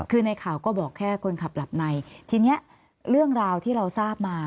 คือในข่าวก็บอกแค่คนขับหลับในทีนี้เรื่องราวที่เราทราบมา